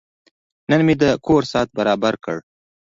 نن مې د کور ساعت برابر کړ.